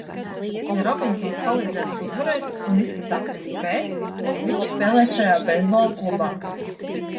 Ja Robinsons palīdzēs uzvarēt, un izskatās, ka spēs, viņš spēlēs šajā beisbola klubā!